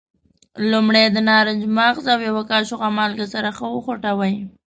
لومړی د نارنج مغز او یوه کاشوغه مالګه سره ښه وخوټوئ.